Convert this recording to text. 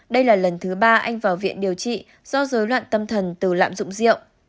đây là lần thứ ba anh vào viện điều trị do dối loạn tâm thần từ lạm dụng rượu